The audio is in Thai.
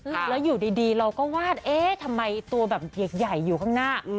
แล้วอยู่ดีเราก็วาดเอ๊ะทำไมตัวแบบใหญ่อยู่ข้างหน้า